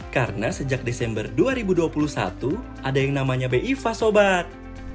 karena sejak desember dua ribu dua puluh satu ada yang namanya bifas sobat